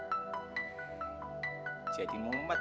semuanya jerawat ya di nomad